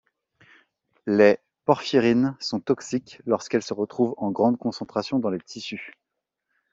Les porphyrines sont toxiques lorsqu’elles se retrouvent en grande concentration dans les tissus.